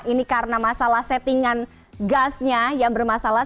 ini karena masalah settingan gasnya yang bermasalah